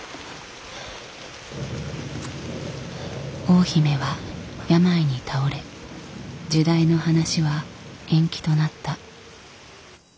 大姫は病に倒れ入内の話は延期となった。